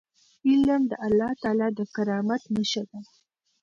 علم د الله تعالی د کرامت نښه ده.